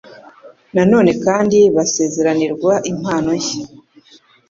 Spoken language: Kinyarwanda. Na none kandi basezeranirwa impano nshya.